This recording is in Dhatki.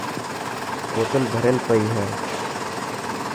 بوتل ڀريل پئي هي.